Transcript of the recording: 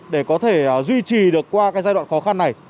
để có thể duy trì được qua cái giai đoạn khó khăn này